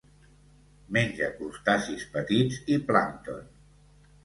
Menja crustacis petits i plàncton.